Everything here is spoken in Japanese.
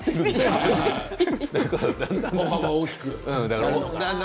歩幅を大きくね。